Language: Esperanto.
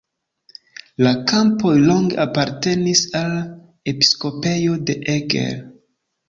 La kampoj longe apartenis al episkopejo de Eger.